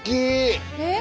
えっ？